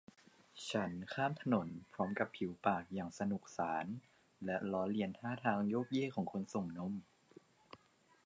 ฉันข้ามถนนพร้อมกับผิวปากอย่างสนุกสานและล้อเลียนท่าทางโยกเยกของคนส่งนม